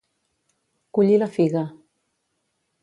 Collir la figa.